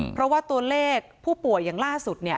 เพราะว่าตัวเลขผู้ป่วยอย่างล่าสุด